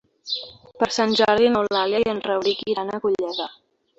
Per Sant Jordi n'Eulàlia i en Rauric iran a Godella.